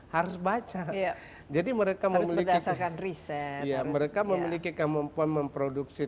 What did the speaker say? harus baca jadi mereka memiliki riset ya mereka memiliki kemampuan memproduksi